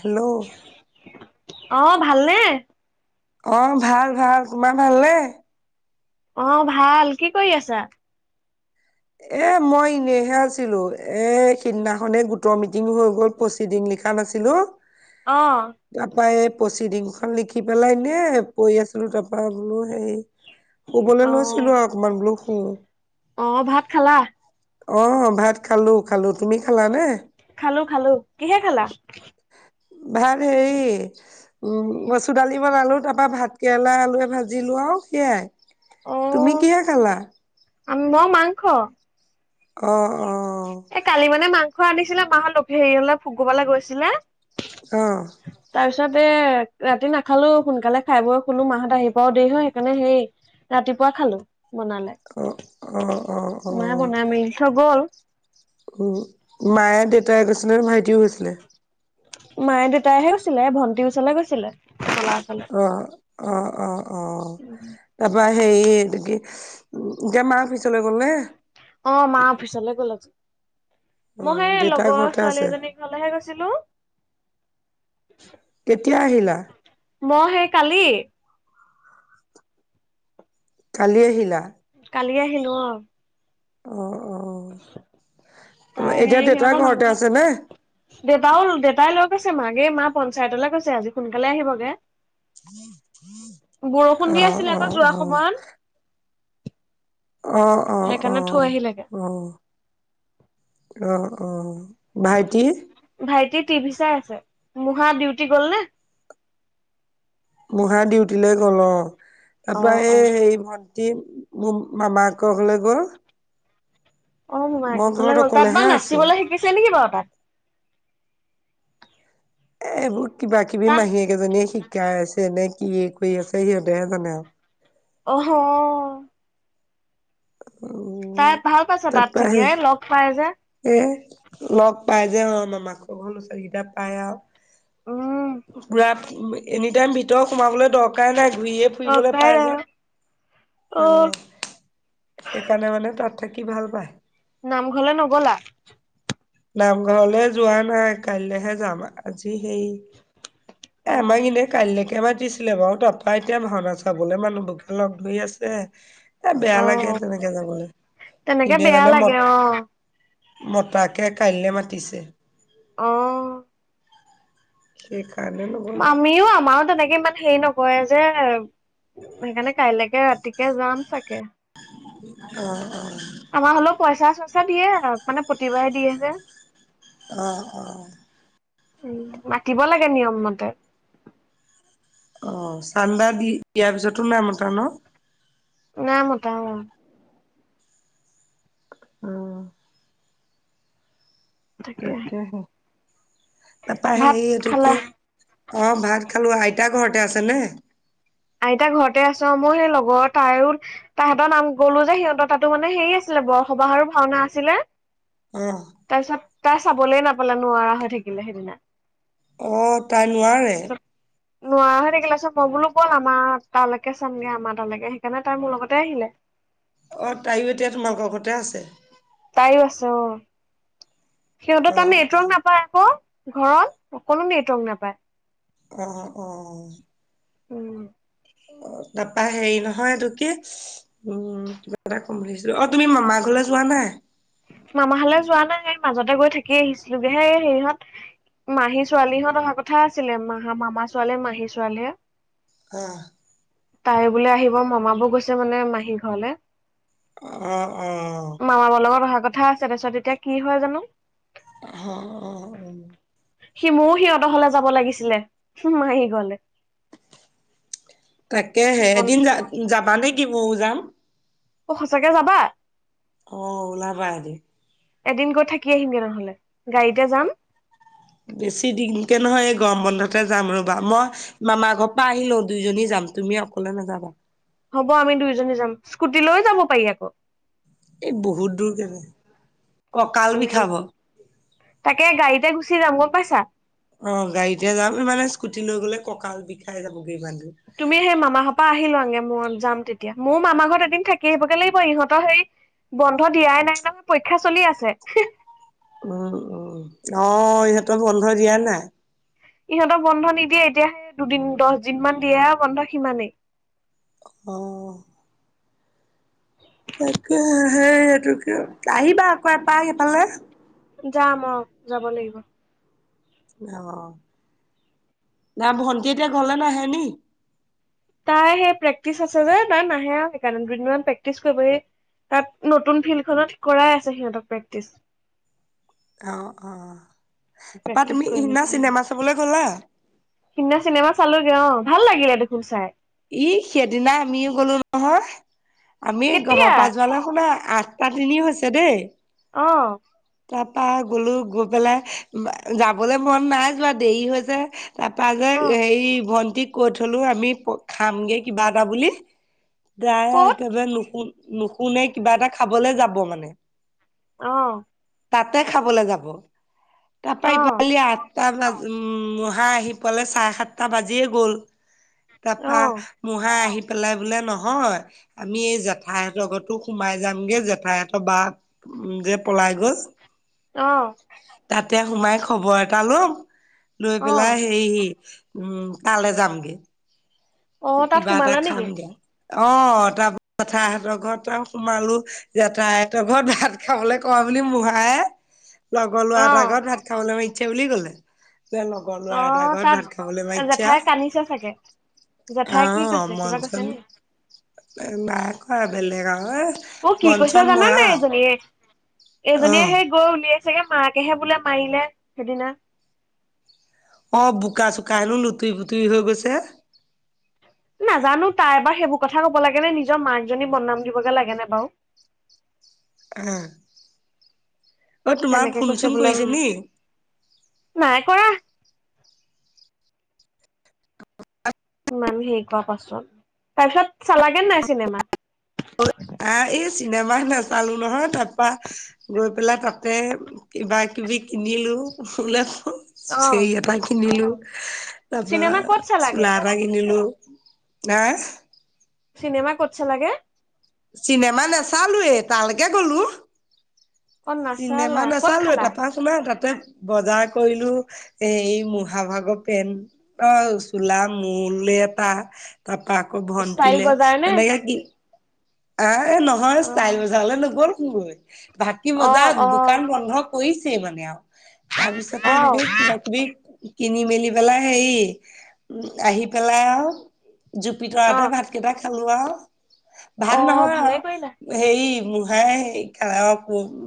Hello, অ, ভালনে? অ, ভাল- ভাল তোমাৰ ভালনে? অ, ভাল কি কৰি আছা? এ মই ইনেহে আছিলো এ সিদিনাখনে গোটৰ মিটিং হৈ গ'ল পচি দিং লিখা। তাত আছিলোঁ। অ', তাৰাপা এই পচিডিংখন লিখি পেলাই এনে পই আছিলো তাৰপা বোলো হেই শুবলৈ অ লৈছিলো আৰু অকমান বোলো শু। অ, ভাত খালা? অ, ভাত খালো -খালো তুমি খালানে? খালো -খালো কিহে খালা? ভাল হেই উম, মচুৰ দালি বনালো তাৰ পা ভাত কেৰেলা আলুৱে ভাজিলোঁ আৰু সেয়াই। অ তুমি কিহে খালা? [unintelligible] মই মাংস। অ', অ', এই কালি মানে মাংস আনিছিলে মাহত লভ হেৰিঅলে [unintelligible] গৈছিলে। অ', তাৰ পিছত এ ৰাতি নাখালোঁ সোনকালে খাই বৈ শুলো মাহত আহি পাও দেৰি হয় সেইকাৰণে হেই ৰাতিপুৱা খালো বনালে অ অ মাই অ বনাই মেলি থই গ'ল। উম, মায়ে দেউতাই গৈছিনে ভাইটিও গৈছিলে? মায়ে, দেউতাইহে গৈছিলে ভণ্টিৰ ওচৰলে গৈছিলে চলা -চলে। অ', অ', অ', অ', তাৰপা আহি হেই এইটো কি এতিয়া মা অফিচলে গ'লনে? অ, মা অফিচলে গ'ল আজি অ মই সেই দেউতা লগৰ ঘৰতে ছোৱালী আছে এজনীক তালেহে গৈছিলোঁ। কেতিয়া আহিলা? মই সেই কালি। কালি আহিলা? কালি আহিলো অ। অ', অ', ত তাই [unintelligible] এতিয়া সেই দেউেতা সিহঁতৰ মাক ঘৰতে আছে নে? দেউতাও দেতাই লই আছে মাকে মা পঞ্চায়তলৈ গৈছে আজি সোনকালে আহিবগে। বৰষুণ অ দি আছিলে অ আকৌ যোৱা অ অ সময়ত। অঁ অঁ অ সেইকাৰণে থৈ আহিলেগে অ। অ অ ভাইটি। ভাইটি টিভি চাই আছে মোহা ডিউটি গল নে। মোহা ডিউটিলৈ গল অঁ অ তাৰপৰা অ এই হেৰি ভন- টি মো মামাকক ঘলে গ'ল। অ মমাইক মই ঘৰত ঘৰলে গ'ল তাত অকলেহে বাৰু আছো নাচিবলৈ শিকিছে নেকি বাৰু তাত। এ এইবোৰ কিবা কিবি তাত মাহীয়েকেইজনীয়ে শিকাই আছে নে কি কৰি আছে সিহঁতেহে জানে আৰু। অহ অ। উম তাত ভাল পাইছে তাত তাৰপা চাগি সেই এ লগ পাই যে। এ লগ পাই যে অ মামাক ঘৰ লৰা ছোৱালী কেইটা পাই উম আউ। পুৰা এনি টাইম ভিতৰ সোমাবলৈ দৰকাৰ নাই ঘূৰিয়ে। ফুৰিবলে পাই যে অ অঁ। সেইকাৰণে মানে তাত থাকি ভাল পায়। নামঘৰলে নগলা। নামঘৰলৈ যোৱা নাই কাইলেহে যাম আজি সেই। এ অ আমাক এনেই- কাইলৈকে মাতিছিলে বাৰু তাৰাপৰা এতিয়া ভাওনা চাবলৈ মানুহবকে লগ ধৰি আছে। এ বেয়া লাগে অ তেনেকে যাবলৈ তেনেকে এনেই বেয়া মানে লাগে অ মত- মতাকে কাইলৈ মাতিছে। অঁ। সেইকাৰণে শ। আমিও আমাৰো তেনেকে মানে। সেই নকয় যে সেইকাৰণে কাইলৈকে ৰাতিকে যাম চাগে। অঁ অঁ আমাৰ হ'লেও পইচা চইচা দিয়ে মানে প্ৰতিবাৰে দিয়ে যে অঁ অঁ উম মাতিব লাগে নিয়ম মতে। অ চান্দা দি দিয়াৰ পিছতো নাই মতা ন। নাই মতা অঁ। উম। তাকে তাকেহে। তাৰাপাহেই ভাত এইটো খালা কি অঁ ভাত খালো আইতাৰ ঘৰতে আছে নে। আইতা ঘৰতে আছে মোৰ সেই লগৰ তাৰো। তাহাঁতৰ নাম গলো যে সিহঁতৰ তাতো মানে হেৰি আছিলে বৰসবাহ ভাওনা আছিলে। অ', তাৰপিছত তাই চাবলে নাপালে নোৱাৰা হৈ থাকিলে সেইদিনা অঁ তাই নোৱাৰে। নোৱাৰোৱা হৈ থাকিলা চ মই বোলো- বল আমাৰ তালৈকে চামগে আমাৰ তালৈকে সেইকাৰণে তাই মোৰ লগতে আহিলে। অ তাইও এতিয়া তোমালোকৰ ঘতে আছে তাইও আছে অঁ, সিহঁত তাত অ', ননেটৱৰ্ক নাপায় আকৌ ঘৰত অকণো নেটৱৰ্ক নাপায়। অঁ অঁ অঁ অঁ উম অঁ তাৰাপা হেৰি নহয় এইটো কি? উম কিবা এটা কম বুলি ভাবিছিলো অ তুমি মামা ঘৰলৈ যোৱা নাই? মামাহালে যোৱা নাই মাজতে গৈ থাকি আহিছিলোগে হে সেৰিহঁত- মাহী ছোৱালীহঁত অহা কথা আছিলে মা মামা ছোৱালীয়ে মাহী ছোৱালীয়ে- অঁ তাই বোলে আহিব মামাবোৰ গৈছে মানে মাহী ঘৰলে। অ', অ' মামাকৰ লগত অহা কথা আছে তাৰপিছত এতিয়া কি হয় জানো। অ', অ'। সি মোৰও সিহঁতৰ হলে যাব লাগিছিলে মাহী ঘৰলে। তাকেহে এদিন যা যাবা নেকি ময়ো যাম। অ সঁচাকে যাবা? অ' ওলাবা এদিন। এদিন গৈ থাকি আহিম গে নহ'লে গাড়ীতে যাম। বেছি দিনকে নহয় এই গৰম বন্ধতে যাম ৰবা মই মামাৰ ঘৰ পৰা আহিল লও দুইজনী যাম তুমি অকলে নাযাবা। হ'ব আমি দুইজনী যাম স্কুটি লৈ যাব পাৰি আকৌ। এই বহুত দূৰ কেলে কঁকাল উম বিষাব। তাকে গাড়ীতে গুচি যাম গম পাইছা। অ' গাড়ীতে যাম মানে স্কুটি লৈ গ'লে কঁকাল বিষাই যাবগৈ ইমান দুৰ। তুমি সেই মামাহৰ পৰা আহিল লোৱা আগে মই যাম তেতিয়া মোৰ মামা ঘৰত এদিন থাকি আহিবগে লাগিব ইহঁতৰ সেই বন্ধ দিয়াই নাই নহয় পৰীক্ষা চলি আছে। উম, উম, অ' ইহঁতৰ বন্ধ দিয়াই নাই? ইহঁতক বন্ধ নিদিয়ে এতিয়া দুদিন দচ দিন মান দিয়ে বন্ধ সিমানেই। অ', তাকেহে সেই এইটো কিয় আহিবা আকৌ এপাক এফালে। যাম অ যাব লাগিব। অ', না ভণ্টি এতিয়া ঘৰলে নাহে নি? তাই সেই প্ৰেক্টিচ আছে যে তাই নাহে আৰু সেইকাৰণে দুদিনমান প্ৰেক্টিচ কৰিবহি। তাত নতুন ফিল্ডখনত কৰাই আছে সিহঁতক প্ৰেক্টিচ। অ', অ', তাপা প্ৰেক্টিচ তুমি কৰি সিদনা মেলি আহিব চিনেমা চাবলৈ গলা? সিদিনা চিনেমা চালোগে অ' ভাল লাগিলে দেখোন চাই। ই সেইদিনা আমিও গলো নহয় আমি ঘৰৰ কেতিয়া পা যোৱালে আপোনাৰ আঠটা তিনি হৈছে দেই। অ' তাৰ পৰা গ'লো গৈ পেলাই যাবলৈ মন নাই যোৱা দেৰি হৈ যে তাৰপা যে অ হেৰি ভন্টিক কৈ থলো আমি খামগে কিবা এটা বুলি। [inaudible] যাই ক'ত একেবাৰে নুশুন নুশুনে কিবা এটা খাবলে যাব মানে। অ। তাতে খাবলৈ যাব তাৰাপা অ ইফালি সটা ব উম মহা আহি পালে চাৰে সাতটা বাজিয়ে গ'ল অ তাৰপা মহাই আহি পেলাই বোলে নহয় আমি এই জেঠাই হঁতৰ সোমাই যামগে জেঠাই হঁতৰ বা উম যে পলাই গল। [unintelligible] অ। তাতে সোমাই খবৰ এটা লম। লৈ অ পেলাই হেৰি উম তালে যামগে। অ তাত কিবা এটা সোমালা নেকি খাম দিয়া অ' তাৰ পথাহতৰ ঘৰত সোমালোঁ। জেঠাইহঁতৰ ঘৰত ভাত খাবলৈ কোৱা বুলি মহায়ে লগৰ লৰা অ এটা আগত ভাত খাবলৈ মাতিচে বুলি কলে। লগৰ লৰা এটা ঘৰত ভাত খাবলৈ মাইতচ্ছা। আনিছে চাগে জেঠাই কি কৈছে মন কিবা কৈছে চন নে। নাই কোৱা বেলেগ আও এ অ' কি বন কৈছে চন জানা মৰা নাই এজনীয়ে অ এজনীয়ে সেই। বৈ উলিয়াইছেগে মাকেহে বোলে মাৰিলে সেইদিনা। অ বোকা চোকা হেনো লুটুৰি ফুটুৰি হৈ গৈছে। নাজানো তাই এবাৰ সেইবোৰ কথা ক'ব লাগে নে নিজৰ মাকজনী বদনাম দিবগে লাগে নে বাৰু। উম। তেনেকে ফোন কৈছে চোন বোলে কৰিছে উম নি নাই কৰা। অ। ইমান হেৰি কৰোৱা পাচত, তাৰ পিছত চালাগে নাই চিনেমা। অ আহ এই চিনেমা নাচালো নহয় তাৰপা। গৈ পেলাই তাতে কিবা কিবি কিনিলো, হুলেছো- অ চেৰি এটা কিনিলো তাৰ পৰা চিনেমা ক'ত চালাগে চোলা। কিনিলো হা। চিনেমা কত চলাগে। চিনেমা নাচালোয়ে তালৈকে গলো। অ চিনেমা নাচালা ক'ত নাচালোঁ খালা তাপৰা। তোমাৰ তাতে বজাৰ কৰিলো এ মহাভাগৰ পেন। অ চোলা মূলে এটা তাৰ পৰা আকৌ ষ্টাইল ভন্টিলে বজাৰ নে তেনেকে কি- আহ নহয় অ ষ্টাইল বজাৰলৈ নগ'লগৈ ভাকি অ বজাৰ অ দোকান বন্ধক। কৰিছে মানে আৰু তাৰ পিছতে অ এনেকে কিবা কিবি। কিনি মেলি পেলাই হে আহি পেলাই আও। অ ভিতৰতে ভাত কেইটা খালো আৰু ভাত অ নহয় ভালে কৰিলা আৰু। হেৰি মাই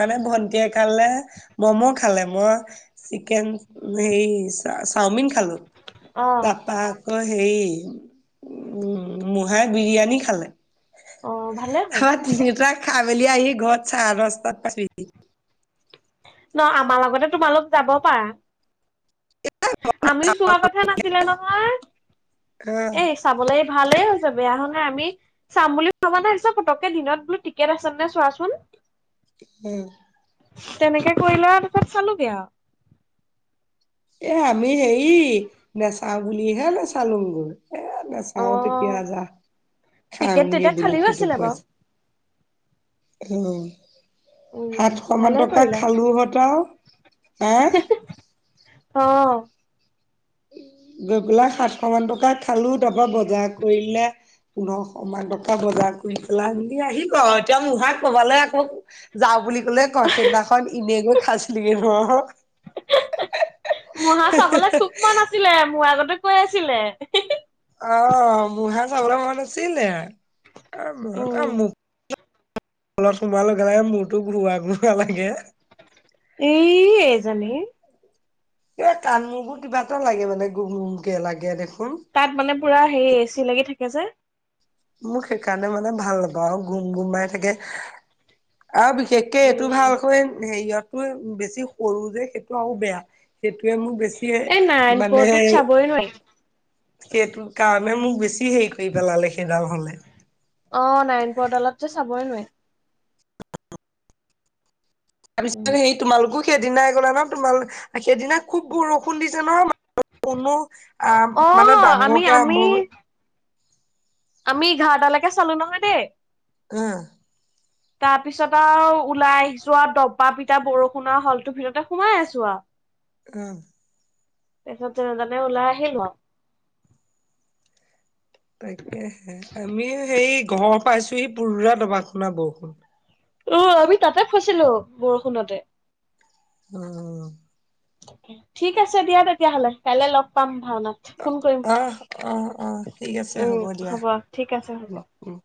মানে ভণ্টি এ কাৰালে। মম' খালে মই চিকেন হেৰি চাওমিন খালো। অ তাৰাপা আকৌ হেৰি উ মুহাই বিৰিয়ানী খালে। অঁ ভালে। ত হ'ল তিনিওটা খাই মেলি আহি ঘৰত চাৰে পাঁচটাত পাইছোঁ সি। ন আমাৰ লগতে তোমালোক যাব পাৰা। আমিও চোৱা কথা নাছিলে নহয়। অ এ চাবলৈ ভালেই হৈছে বেয়া হোৱা নাই আমি চাম বুলি ভবা নাছিলোঁ পটককে দিনত বোলো টিকেট আছে নে চোৱাচোন। উম। তেনেকে কৰিলে আৰু তাৰপাছত চালোগে আও। এ আমি হেৰি নেচাও বুলিহে নেচালুংগে এ নেচ- চাও আৰু অ তেতিয়া যাহ টিকেট খাওঁগে তেতিয়া বোলো খালীও সেইটো আছিলে বাৰু। কোৱাছে - উম, উম, সাতশ মান ভালে টকা কৰিলা। খালো হত আও। হেঁ। অঁ। গৈ পেলাই সাতশ মান টকা খালো তাৰ পৰা বজাৰ কৰিলে। পুন্ধৰসহ মান টকা বজাৰ কৰি পেলাই বুলি আহিব আৰু এতিয়া মোৰহাই কবালে আকৌ যাওঁ বুলি কলে কৈ সিদিনাখন এনেগৈ খাঁছিলি গে নহয়। মূহাৰ চাবলৈ খুব মন আছিলে মোৰ আগতে কৈ আছিলে। অ', মুহাৰ চাবলৈ মন আছিলে। এ মুহা উম। এ মূহ হলত সোমুৱা লগে-লগে মূোৰতো ঘূৰোৱা-ঘূৰোৱা লাগে। এ এইজনী। এই কান মুৰবোৰ কিবা এটা লাগে মানে গুম-গুমকে লাগে দেখোন। তাত মানে পুৰা হেৰি এ চি লাগি থাকে যে। মোক সেইকাৰণে মানে ভাল নাপাওঁ আৰু গুম-গুমাই থাকে। আৰু বিশেষ তে উম। এইটো ভালকৈ হেৰিয়তো বেছি সৰু যে সেইটো আৰু বেয়া। সেইটোয়ে মোৰ বেছিএ এই মানে নাৰায়ণপুৰটোত [unintelligible] সেইটো কাৰণে মোক বেছি হেৰি কৰি পেলালে সেইডাল হলে। অ', নাৰায়ণপুৰৰ দলত যে চাবই নোৱাই। তাৰপিছত উম। সেই তোমালোকো সেইদিনাই গলা না তোমাল সেইদিনা খুব বৰষুণ দিছে নহয়। কোনো আ মানে অ', আমি ডাঙৰকে আমি আৰম্ভ আমি এঘাৰটা লৈকে চালোঁ নহয় দেই। উম তাৰ পিছত আৰু ওলাই আহিছোঁ আৰু দবা পিটা বৰষুণত হলটোৰ ভিতৰতে সোমাই আছোঁ আও। [inaudible] উম তাৰপিছত তিনিজনে ওলাই আহিলোঁ আও। তাকেহে আমিও সেই ঘৰ পাইছোঁ সি পোৰা দবা খুনা বৰষুণ। অ, আমি তাতে ফছিলো বৰষুণতে। উম ঠিক আছে দিয়া তেতিয়াহ'লে, কাইলে লগ পাম ভাওনাত। ফোন কৰিম। অ', অ', অ', ঠিক আছে উম, হ'ব দিয়া, ঠিক আছে হ'ব। উম, উম।